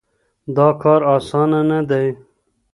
دا کار اسانه نه دی.